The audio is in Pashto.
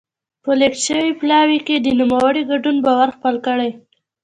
په لېږل شوي پلاوي کې د نوموړي ګډون باور خپل کړي.